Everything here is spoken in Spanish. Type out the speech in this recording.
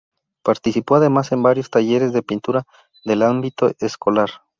Participó además en varios talleres de pintura del ámbito escolar.